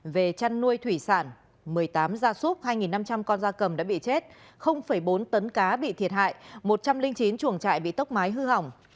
về chăn nuôi thủy sản một mươi tám gia súp hai năm trăm linh con da cầm đã bị chết bốn tấn cá bị thiệt hại một trăm linh chín chuồng trại bị tốc mái hư hỏng